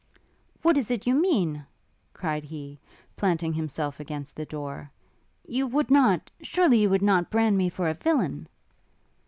'What is it you mean?' cried he, planting himself against the door; 'you would not surely you would not brand me for a villain?'